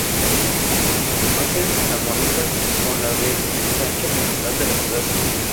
Su imagen armoniza con la del ensanche principal de la ciudad.